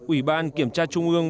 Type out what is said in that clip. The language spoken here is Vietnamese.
ủy ban kiểm tra trung ương